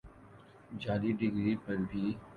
جعلی ڈگری پر بھا